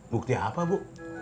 bukti apa bu